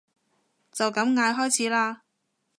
就咁嗌開始啦